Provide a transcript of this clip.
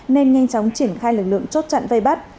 nên nhanh chóng triển khai lực lượng chốt chặn vây bắt